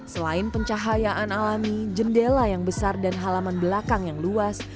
selain pencahayaan alami jendela yang besar dan halaman belakang yang luas